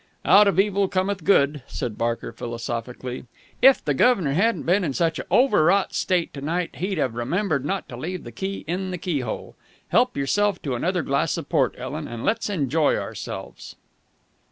Out of evil cometh good," said Barker philosophically. "If the guv'nor hadn't been in such a overwrought state to night, he'd have remembered not to leave the key in the keyhole. Help yourself to another glass of port, Ellen, and let's enjoy ourselves!"